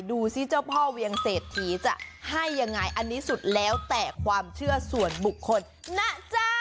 ดูสิเจ้าพ่อเวียงเศรษฐีจะให้ยังไงอันนี้สุดแล้วแต่ความเชื่อส่วนบุคคลนะจ๊ะ